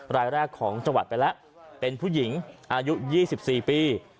รายแรกของจังหวัดไปแล้วเป็นผู้หญิงอายุ๒๔ปี